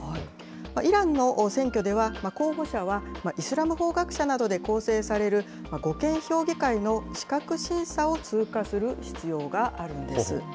イランの選挙では、候補者はイスラム法学者などで構成される護憲評議会の資格審査を通過する必要があるんです。